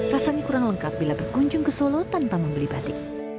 rasanya kurang lengkap bila berkunjung ke solo tanpa membeli batik